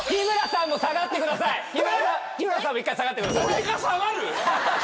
俺が下がる！？